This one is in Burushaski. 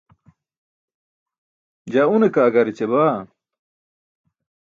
jaa une kaa gar eća baa